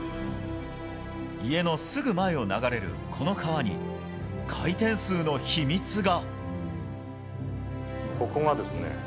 家のすぐ前を流れる、この川に回転数の秘密が。